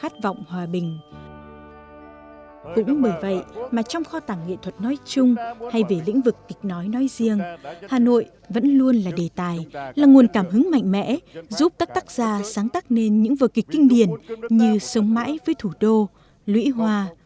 cũng bởi vậy mà trong kho tảng nghệ thuật nói chung hay về lĩnh vực kịch nói nói riêng hà nội vẫn luôn là đề tài là nguồn cảm hứng mạnh mẽ giúp các tác giả sáng tác nên những vợ kịch kinh điển như sống mãi với thủ đô lũy hoa